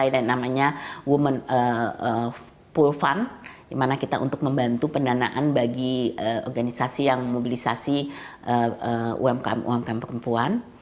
yang namanya women pool fund dimana kita untuk membantu pendanaan bagi organisasi yang mobilisasi umkm umkm perempuan